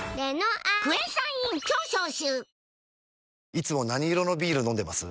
いつも何色のビール飲んでます？